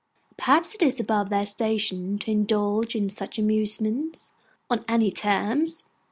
Perhaps it is above their station to indulge in such amusements, on any terms.